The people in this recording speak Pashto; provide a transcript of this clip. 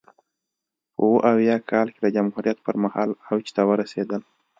په ویا اویا کال کې د جمهوریت پرمهال اوج ته ورسېدل.